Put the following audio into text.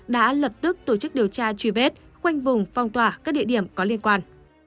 đã lập tức tổ chức điều tra truy vết khoanh vùng phong tỏa các địa điểm có liên quan